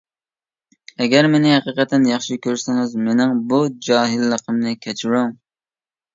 ئەگەر مېنى ھەقىقەتەن ياخشى كۆرسىڭىز مېنىڭ بۇ جاھىللىقىمنى كەچۈرۈڭ.